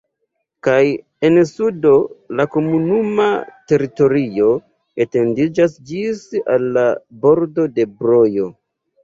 Kaj en sudo la komunuma teritorio etendiĝas ĝis al la bordo de Brojo.